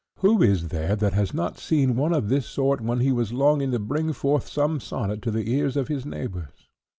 "Who is there that has not seen one of this sort when he is longing to bring forth some sonnet to the ears of his neighbours?